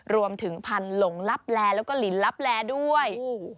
รวมถึงพันธุ์หลงลับแลแล้วก็ลินลับแลด้วย